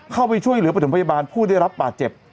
เข้าไปช่วยเหลือประถมพยาบาลผู้ได้รับบาดเจ็บ